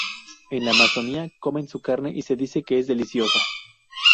En la Amazonia comen su carne, y se dice que es deliciosa.